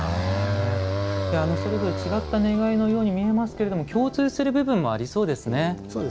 それぞれ違った願いのように見えますけれども共通する部分もありそうですね。